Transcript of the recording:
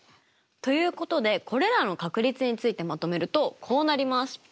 ということでこれらの確率についてまとめるとこうなります。